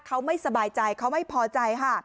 เขาไม่สบายใจเขาไม่พอใจค่ะ